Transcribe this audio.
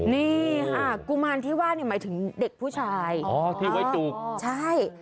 นี่ค่ะกุมารที่ว่าเนี่ยหมายถึงเด็กผู้ชายอ๋อที่ไว้จุกใช่